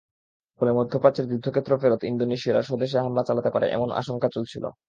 ফলে মধ্যপ্রাচ্যের যুদ্ধক্ষেত্র-ফেরত ইন্দোনেশীয়রা স্বদেশে হামলা চালাতে পারে, এমন আশঙ্কা চলছিল।